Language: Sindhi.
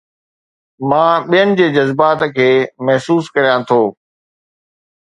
مان ٻين جي جذبات کي محسوس ڪريان ٿو